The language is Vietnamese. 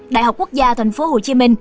đại học quốc gia tp hcm